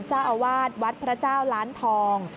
เจ้าอาวาสวัดพระเจ้าล้านทอง